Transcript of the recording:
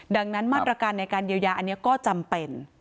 ดังนั้นมาตรการในการเยียวยาอันนี้ก็จำเป็น